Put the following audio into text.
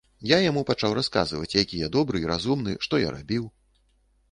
Я яму пачаў расказваць, які я добры і разумны, што я рабіў.